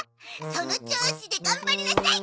その調子で頑張りなさい！